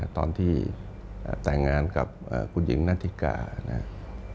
ตอนที่แต่งงานกับคุณหญิงนาธิกานะครับ